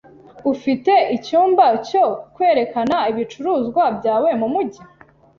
Ufite icyumba cyo kwerekana ibicuruzwa byawe mumujyi?